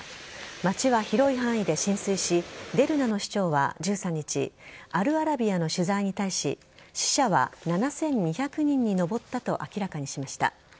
街は広い範囲で浸水しデルナの市長は１３日アルアラビアの取材に対し死者は７２００人に上ったと明らかにしました。